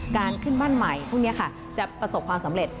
การขึ้นบ้านใหม่พวกนี้ค่ะจะประสบความสำเร็จ